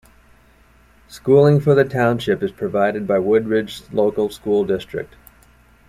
Schooling for the township is provided by Woodridge Local School District.